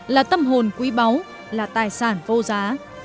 là tâm hồn quý báu là tài sản vô giá